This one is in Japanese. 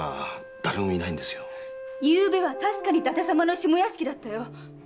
ゆうべは確かに伊達様の下屋敷よ。